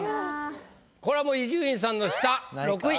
これはもう伊集院さんの下６位。